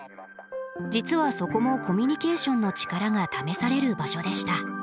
実はそこもコミュニケーションの力が試される場所でした。